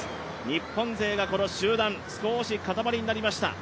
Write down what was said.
日本勢がこの集団、少し固まりになりました。